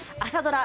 朝ドラ